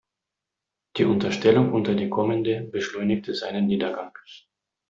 Die Unterstellung unter die Kommende beschleunigte seinen Niedergang.